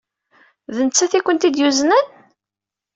D nettat ay ken-id-yuznen?